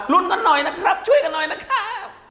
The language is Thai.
กันหน่อยนะครับช่วยกันหน่อยนะครับ